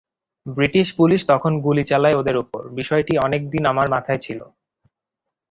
British police তখন গুলি চালায় ওদের ওপর—বিষয়টি অনেক দিন আমার মাথায় ছিল।